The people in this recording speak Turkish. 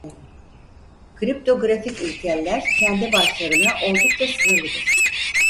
Kriptografik ilkeller kendi başlarına oldukça sınırlıdır.